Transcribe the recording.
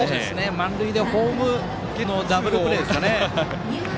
満塁でホーム経由のダブルプレーと思ったんですかね。